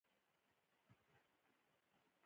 زده کړه نجونو ته د برابرۍ احساس ورکوي.